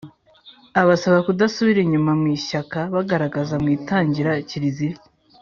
abasaba kudasubira inyuma mu ishyaka bagaragaza mu kwitangira kiliziya